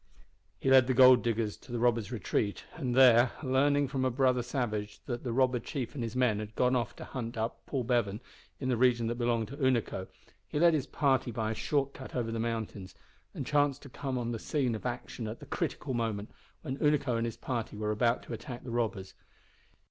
He led the gold diggers to the robbers' retreat, and there, learning from a brother savage that the robber chief and his men had gone off to hunt up Paul Bevan in the region that belonged to Unaco, he led his party by a short cut over the mountains, and chanced to come on the scene of action at the critical moment, when Unaco and his party were about to attack the robbers.